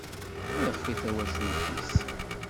Iḍfi tawacult-is.